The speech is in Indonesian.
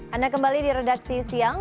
anda kembali di redaksi siang